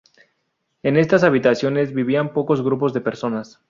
En estas habitaciones vivían pocos grupos de personas.